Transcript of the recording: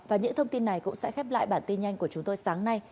và những thông tin này cũng sẽ khép lại bản tin nhanh của chúng tôi sáng nay